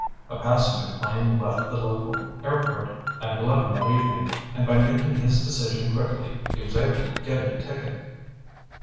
A passenger plane left the local airport at eleven that evening and by making his decision quickly he was able to get a ticket.